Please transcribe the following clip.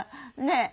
ねえ。